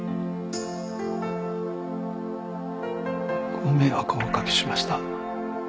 ご迷惑をおかけしました。